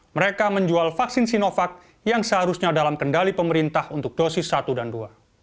mereka menjual vaksin sinovac yang seharusnya dalam kendali pemerintah untuk dosis satu dan dua